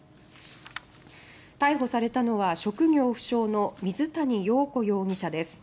逮捕されたのは職業不詳の水谷陽子容疑者です。